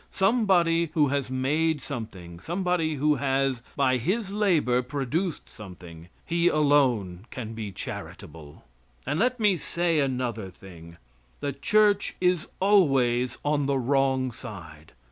Somebody who has made something, somebody who has by his labor produced something, he alone can be charitable. And let me say another thing: The church is always on the wrong side.